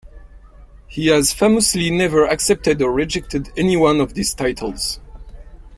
He has famously never accepted or rejected any one of these titles.